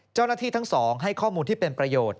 เจ้าหน้าที่ทั้งสองให้ข้อมูลที่เป็นประโยชน์